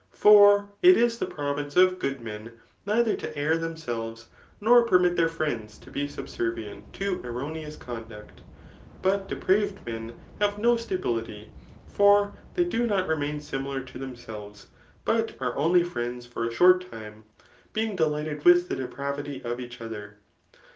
For it is the province of good men, neither to err themselves, nor permit their friends to be subservient to erroneous conduct. But depraved men have no stability ; for they do not remain similar to themselves; but are only friends for a short time, being delighted with the depravity of each other.